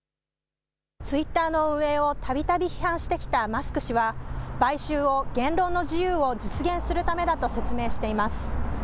ツイッターの運営をたびたび批判してきたマスク氏は買収を言論の自由を実現するためだと説明しています。